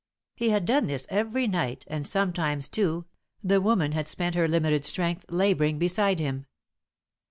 "He had done this every night, and sometimes, too, the woman had spent her limited strength labouring beside him.